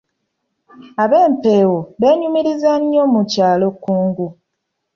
Ab’Empeewo beenyumiriza nnyo mu kyalo Kkungu.